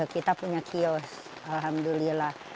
kita punya kiosk alhamdulillah